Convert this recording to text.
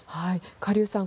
カ・リュウさん